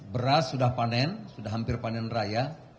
beras sudah panen sudah hampir panen raya